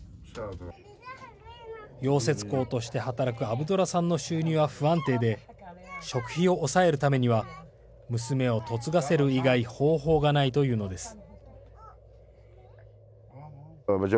溶接工として働くアブドラさんの収入は不安定で食費を抑えるためには娘を嫁がせる以外方法がないというのです。